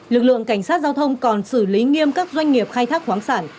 lực lượng cảnh sát giao thông còn xử lý nghiêm các doanh nghiệp khai thác khoáng sản